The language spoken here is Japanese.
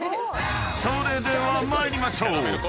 ［それでは参りましょう］